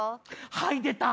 はい出た！